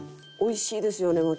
おいしいですよね